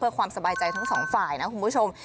เพื่อความสบายใจทั้งสองฝ่ายนะคุณผู้ชม